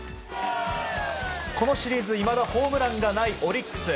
このシリーズいまだホームランがないオリックス。